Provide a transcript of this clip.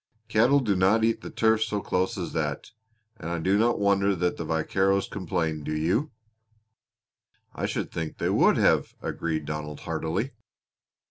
Cattle do not eat the turf so close as that, and I do not wonder that the vaqueros complained, do you?" "I should think they would have!" agreed Donald heartily.